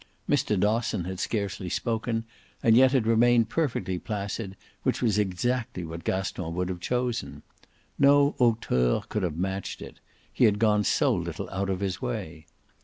Mr. Dosson had scarcely spoken and yet had remained perfectly placid, which was exactly what Gaston would have chosen. No hauteur could have matched it he had gone so little out of his way.